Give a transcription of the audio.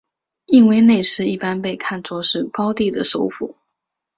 印威内斯一般被看作是高地的首府。